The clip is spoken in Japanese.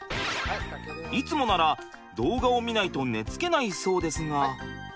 いつもなら動画を見ないと寝つけないそうですが。